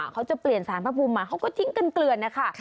เขาจะเปลี่ยนสารพระภูมิมาเขาก็ทิ้งกันเกลือนนะคะ